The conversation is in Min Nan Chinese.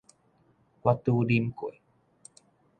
我拄啉過